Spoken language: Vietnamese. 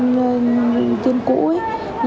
thì mọi việc cũng ủng hộ